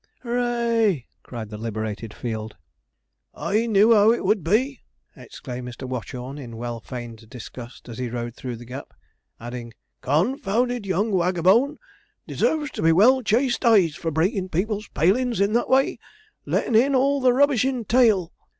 'Hoo ray!' cried the liberated field. 'I knew how it would be,' exclaimed Mr. Watchorn, in well feigned disgust as he rode through the gap; adding, 'con founded young waggabone! Deserves to be well chaste tized for breakin' people's palin's in that way lettin' in all the rubbishin' tail.'